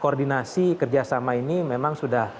koordinasi kerjasama ini memang sudah